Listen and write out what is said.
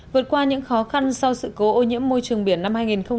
vượt qua những khó khăn sau sự cố ô nhiễm môi trường biển năm hai nghìn một mươi tám